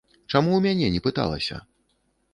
Чаму ў мяне не пыталася?